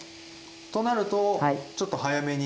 となるとちょっと早めに。